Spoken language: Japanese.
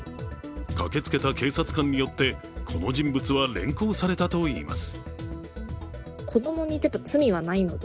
駆けつけた警察官によってこの人物は連行されたといいます。